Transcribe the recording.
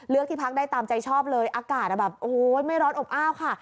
เลือกที่พักได้ตามใจชอบเลยอากาศไม่ร้อนอบอ้าวค่ะ